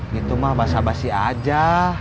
gitu mah basa basi aja